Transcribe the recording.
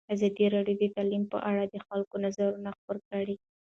ازادي راډیو د تعلیم په اړه د خلکو نظرونه خپاره کړي.